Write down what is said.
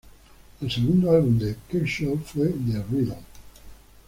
El segundo álbum de Kershaw fue "The Riddle".